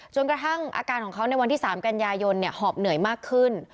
กระทั่งอาการของเขาในวันที่๓กันยายนหอบเหนื่อยมากขึ้น